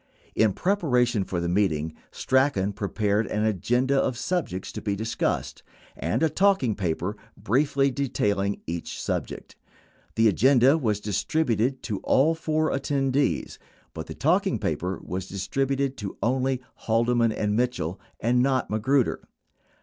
21 In preparation for the meeting, Strachan prepared an agenda of sub jects to be discussed and a talking paper briefly detailing each subject; the agenda was distributed to all four attendees, but the talking paper was distributed to only Haldeman and Mitchell and not Magruder.